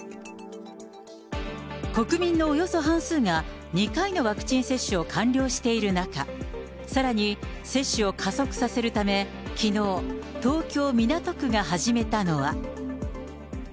国民のおよそ半数が２回のワクチン接種を完了している中、さらに接種を加速させるため、きのう、東京・港区が始めたのが。